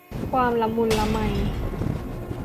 ความละมุนละไม